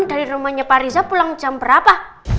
dari rumahnya pak riza pulang jam berapa